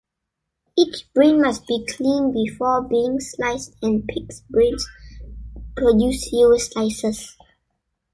Each brain must be cleaned before being sliced and pigs' brains produce fewer slices.